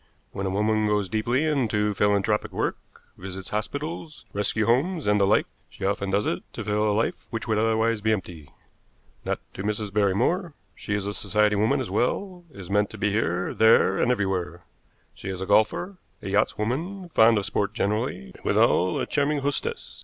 When a woman goes deeply into philanthropic work, visits hospitals, rescue homes, and the like, she often does it to fill a life which would otherwise be empty. Not to Mrs. Barrymore. She is a society woman as well, is to be met here, there and everywhere. She is a golfer, a yachtswoman, fond of sport generally, and withal a charming hostess.